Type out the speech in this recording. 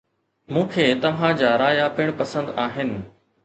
مون کي توهان جا رايا پڻ پسند آهن